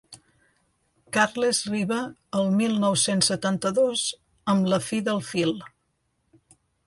Carles Riba el mil nou-cents setanta-dos amb «La fi del fil».